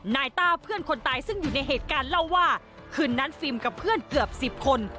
ต้าเพื่อนคนตายซึ่งอยู่ในเหตุการณ์เล่าว่าคืนนั้นฟิล์มกับเพื่อนเกือบ๑๐คน